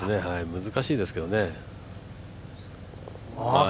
難しいですけどね。